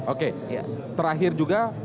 oke terakhir juga